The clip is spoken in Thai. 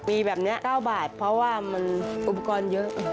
มีแบบนี้๙บาทเพราะว่ามันอุปกรณ์เยอะ